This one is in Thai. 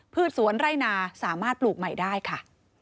สวนไร่นาสามารถปลูกใหม่ได้ค่ะ